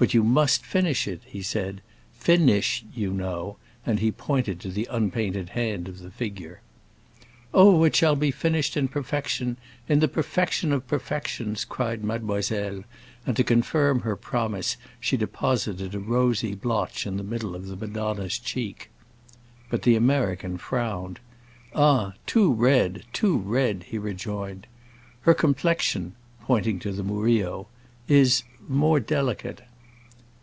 "But you must finish it," he said. "finish, you know;" and he pointed to the unpainted hand of the figure. "Oh, it shall be finished in perfection; in the perfection of perfections!" cried mademoiselle; and to confirm her promise, she deposited a rosy blotch in the middle of the Madonna's cheek. But the American frowned. "Ah, too red, too red!" he rejoined. "Her complexion," pointing to the Murillo, "is—more delicate."